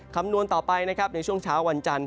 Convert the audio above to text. คำนวณต่อไปนะครับในช่วงเช้าวันจันทร์